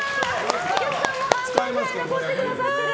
お客さんも半分くらい残ってくださってる。